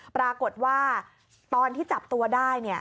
ปรากฏว่าตอนที่จับตัวได้เนี่ย